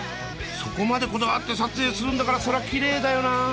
そこまでこだわって撮影するんだからそりゃきれいだよな。